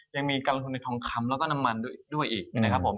ยังมีการลงทุนในทองคำแล้วก็น้ำมันด้วยอีกนะครับผม